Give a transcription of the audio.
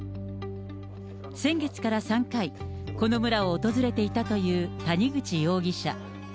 先月から３回、この村を訪れていたという谷口容疑者。